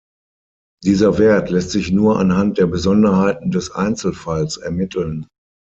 Dieser Wert lässt sich nur anhand der Besonderheiten des Einzelfalls ermitteln.